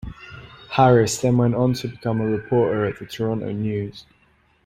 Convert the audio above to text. Harris then went on to become a reporter at the "Toronto News".